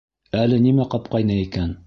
Әле нимә ҡапҡайны икән?